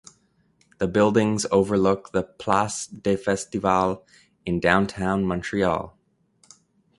The buildings overlook the Place des Festivals in Downtown Montreal.